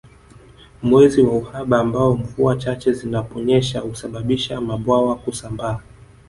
Mwezi wa uhaba ambao mvua chache zinaponyesha husababisha mabwawa kusambaa